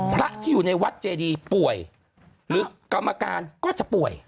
พระที่อยู่ในวัดเจดีป่วยหรือกรรมการก็จะป่วย